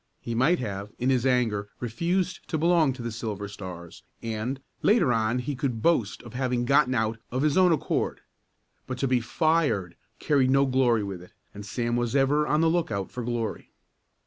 He might have, in his anger, refused to belong to the Silver Stars and, later on he could boast of having gotten out of his own accord. But to be "fired" carried no glory with it, and Sam was ever on the lookout for glory.